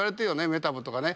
メタボとかね。